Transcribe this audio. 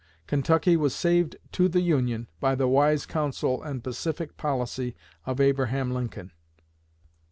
Kentucky was saved to the Union by the wise counsel and pacific policy of Abraham Lincoln."